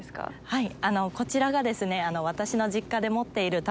はい。